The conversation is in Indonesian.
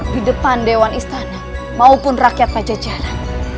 di depan dewan istana maupun rakyat pajajaran